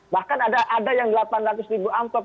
bahkan ada yang delapan ratus amtop